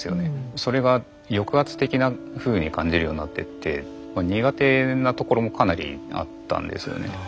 それが抑圧的なふうに感じるようになってって苦手なところもかなりあったんですよね。